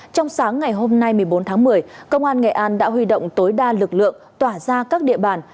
trong sáng ngày hôm nay một mươi bốn tháng một mươi công an nghệ an đã huy động tối đa lực lượng tỏa ra các địa bàn